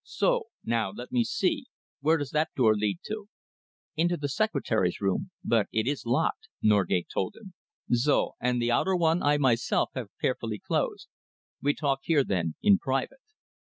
So! Now let me see. Where does that door lead to?" "Into the secretary's room, but it is locked," Norgate told him. "So! And the outer one I myself have carefully closed. We talk here, then, in private.